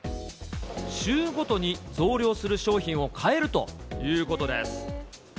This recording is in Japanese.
週ごとに増量する商品を変えるということです。